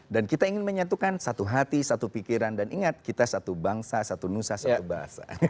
dan kita ingin menyatukan satu hati satu pikiran dan ingat kita satu bangsa satu nusa satu bahasa